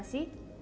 masukkan ke dalam